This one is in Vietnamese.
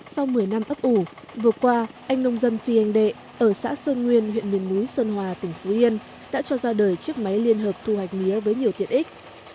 sau một mươi năm ấp ủ vừa qua anh nông dân phi anh đệ ở xã sơn nguyên huyện miền núi sơn hòa tỉnh phú yên đã cho ra đời chiếc máy liên hợp thu hoạch mía với nhiều tiện ích